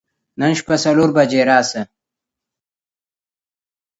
هلک لا هم په دروازه برید کاوه.